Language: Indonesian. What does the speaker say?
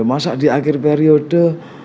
masa di akhir periode